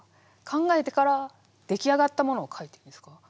考えてから出来上がったものを書いてるんですか？